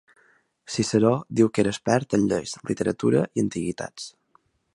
Ciceró diu que era expert en lleis, literatura i antiguitats.